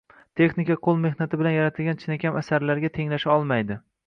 Texnika qo‘l mehnati bilan yaratilgan chinakam asarlarga tenglasha olmaydi